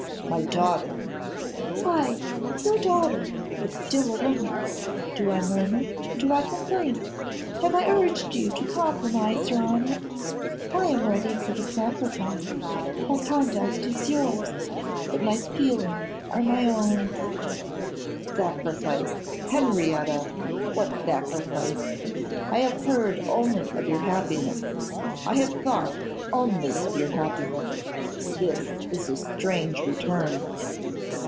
'My daughter!' 'Ay! your daughter, but still a woman. Do I murmur? Do I complain? Have I urged you to compromise your honour? I am ready for the sacrifice. My conduct is yours, but my feelings are my own.' 'Sacrifice, Henrietta! What sacrifice? I have heard only of your happiness; I have thought only of your happiness. This is a strange return.